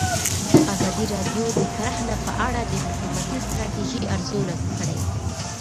ازادي راډیو د کرهنه په اړه د حکومتي ستراتیژۍ ارزونه کړې.